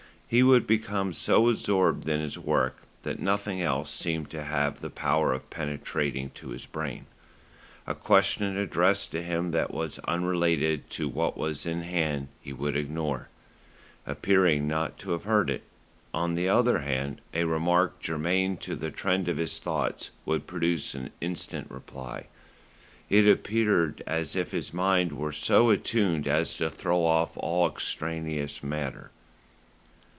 He would become so absorbed in his work that nothing else seemed to have the power of penetrating to his brain. A question addressed to him that was unrelated to what was in hand he would ignore, appearing not to have heard it; on the other hand a remark germane to the trend of his thoughts would produce an instant reply. It appeared as if his mind were so attuned as to throw off all extraneous matter.